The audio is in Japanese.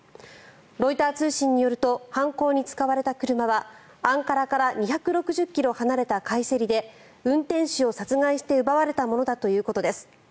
ロイター通信によると犯行に使われた車はアンカラから２６０ｋｍ離れたカイセリで運転手を殺害して奪われたものだということです。